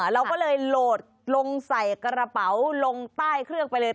เราก็เลยโหลดลงใส่กระเป๋าลงใต้เครื่องไปเลย